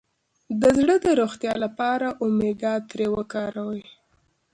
د زړه د روغتیا لپاره اومیګا تري وکاروئ